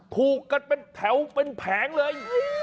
ถูกกันแถวเป็นแผงเลย